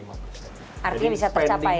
artinya bisa tercapai ya